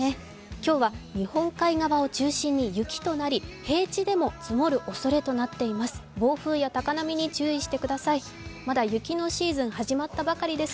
今日は日本海側を中心に雪となり、平地でも積もるおそれとなっています。